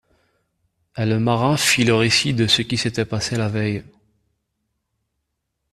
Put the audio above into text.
Et le marin fit le récit de ce qui s’était passé la veille.